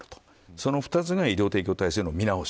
その２つが医療提供体制の見直し